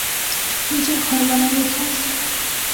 নিজের ঘর বানায় নিছোস?